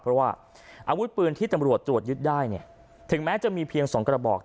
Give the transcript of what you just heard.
เพราะว่าอาวุธปืนที่ตำรวจตรวจยึดได้เนี่ยถึงแม้จะมีเพียง๒กระบอก